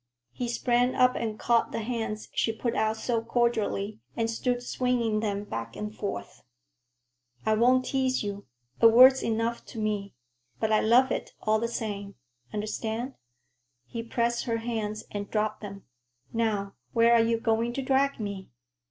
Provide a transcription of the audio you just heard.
He sprang up and caught the hands she put out so cordially, and stood swinging them back and forth. "I won't tease you. A word's enough to me. But I love it, all the same. Understand?" He pressed her hands and dropped them. "Now, where are you going to drag me?"